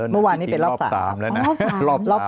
เมื่อวานนี้เป็นรอบ๓แล้วนะ